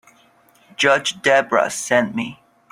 Judge Debra sent me.